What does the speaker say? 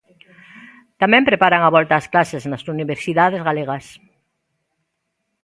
Tamén preparan a volta as clases nas universidades galegas.